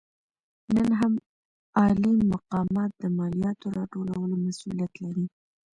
نن هم عالي مقامان د مالیاتو راټولولو مسوولیت لري.